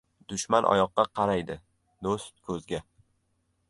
• Dushman oyoqqa qaraydi, do‘st ― ko‘zga.